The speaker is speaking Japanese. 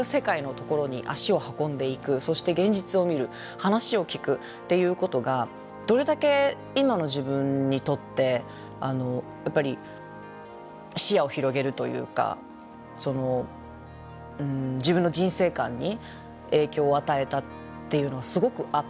そして現実を見る話を聞くっていうことがどれだけ今の自分にとって視野を広げるというか自分の人生観に影響を与えたっていうのがすごくあって。